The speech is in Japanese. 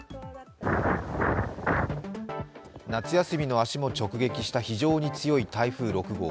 夏休みの足も直撃した非常に強い台風６号。